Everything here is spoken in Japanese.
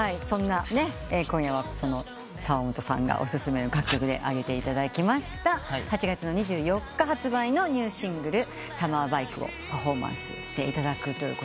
今夜は澤本さんがお薦めの楽曲で挙げていただきました８月２４日発売のニューシングル『ＳｕｍｍｅｒＢｉｋｅ』をパフォーマンスしていただくと。